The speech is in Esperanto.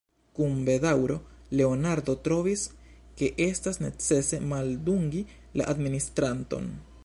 Kun bedaŭro Leonardo trovis, ke estas necese maldungi la administranton.